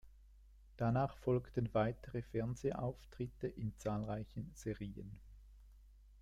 Danach folgten weitere Fernsehauftritte in zahlreichen Serien.